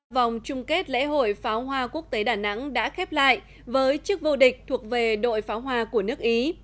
vòng chung kết lễ hội pháo hoa quốc tế đà nẵng đã khép lại với chiếc vô địch thuộc về đội pháo hoa của nước ý